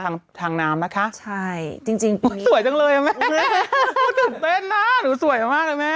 ทางทางน้ำนะคะใช่จริงจริงสวยจังเลยอ่ะแม่ตื่นเต้นนะหนูสวยมากเลยแม่